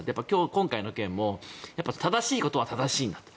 今回の件も正しいことは正しいんだと。